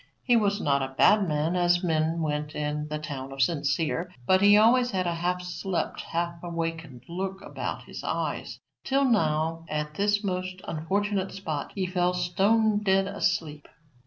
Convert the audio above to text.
He was not a bad man, as men went in the town of Sincere, but he always had a half slept half awakened look about his eyes, till now, at this most unfortunate spot, he fell stone dead asleep.